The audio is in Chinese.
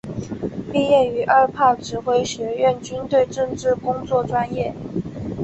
毕业于二炮指挥学院军队政治工作专业。